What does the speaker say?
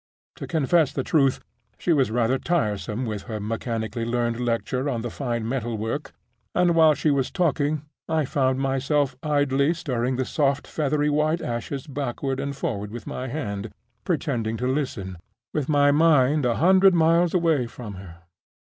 To confess the truth, she was rather tiresome with her mechanically learned lecture on fine metal work; and, while she was talking, I found myself idly stirring the soft feathery white ashes backward and forward with my hand, pretending to listen, with my mind a hundred miles away from her.